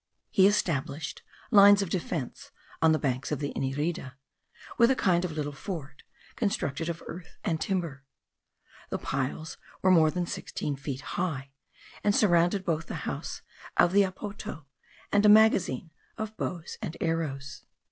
He established lines of defence on the banks of the Inirida, with a kind of little fort, constructed of earth and timber. The piles were more than sixteen feet high, and surrounded both the house of the apoto and a magazine of bows and arrows.